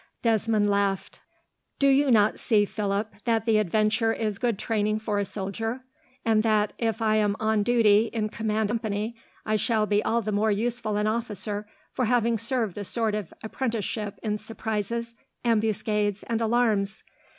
Desmond laughed. "Do you not see, Philip, that the adventure is good training for a soldier, and that, if I am on duty in command of a company, I shall be all the more useful an officer for having served a sort of apprenticeship in surprises, ambuscades, and alarms.